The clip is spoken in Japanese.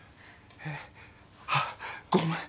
えっあっごめん